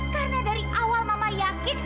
karena dari awal mama yakin